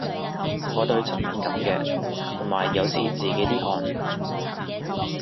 我對塵敏感嘅，同埋有時自己啲汗